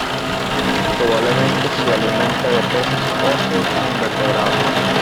Probablemente se alimenta de peces óseos e invertebrados.